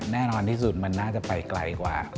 แน่นอนที่สุดมันน่าจะไปไกลกว่า